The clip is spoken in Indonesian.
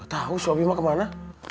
gak tahu sobima kemana